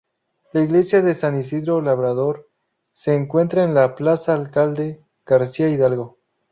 La Iglesia de San Isidro Labrador se encuentra en la plaza Alcalde García Hidalgo.